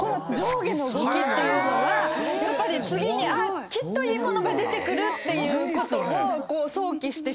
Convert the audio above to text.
上下の動きっていうのはやっぱり次にきっといいものが出てくるっていうことを。